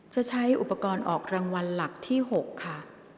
จะใช้อุปกรณ์ออกรางวัลหลักที่๖ค่ะ